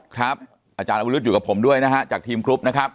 ครับอาจารย์อวรุษอยู่กับผมด้วยนะฮะจากทีมกรุ๊ปนะครับ